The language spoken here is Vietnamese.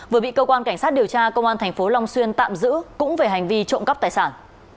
vừa bị cơ quan cảnh sát điều tra công an tp long xuyên tạm giữ cũng về hành vi trộm cắp tài sản